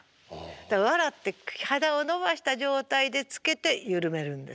だから笑って肌を伸ばした状態でつけて緩めるんですね。